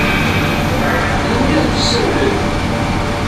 Anwa i ak-d-yessawlen?